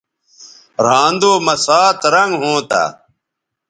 رھاندو مہ سات رنگ ھونتہ